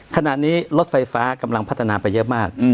ขณะนี้รถไฟฟ้ากำลังพัฒนาไปเยอะมาก